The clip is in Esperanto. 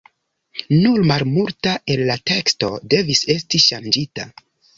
Nur malmulta el la teksto devis esti ŝanĝita.